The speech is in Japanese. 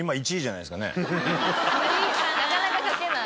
なかなか書けない。